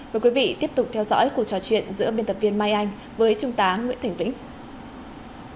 mời quý vị tiếp tục theo dõi cuộc trò chuyện giữa biên tập viên mai anh với trung tá nguyễn thành vĩnh